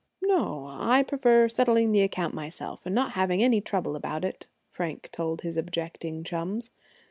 "No, I prefer settling the account myself, and not having any trouble about it," Frank told his objecting chums.